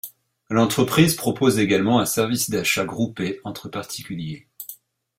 L'entreprise propose également un service d'achat groupé entre particuliers.